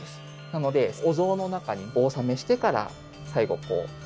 なのでお像の中にお納めしてから最後こうくっつける。